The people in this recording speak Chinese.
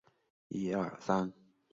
咖啡好喝，点心也很好吃